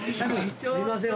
すいません。